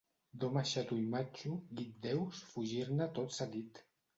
D'home xato i matxo guit deus fugir-ne tot seguit.